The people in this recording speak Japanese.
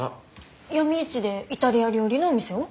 闇市でイタリア料理のお店を？